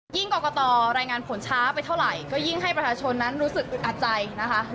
กรกตรายงานผลช้าไปเท่าไหร่ก็ยิ่งให้ประชาชนนั้นรู้สึกอึดอัดใจนะคะ